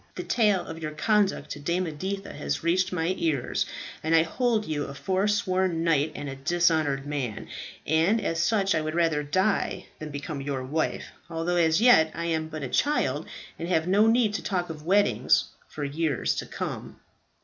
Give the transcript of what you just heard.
The tale of your conduct to Dame Editha has reached my ears, and I hold you a foresworn knight and a dishonoured man, and as such I would rather die than become your wife, although as yet I am but a child, and have no need to talk of weddings for years to come."